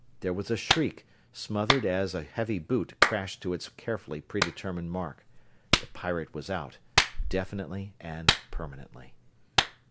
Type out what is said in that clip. There was a shriek, smothered as a heavy boot crashed to its carefully pre determined mark: the pirate was out, definitely and permanently.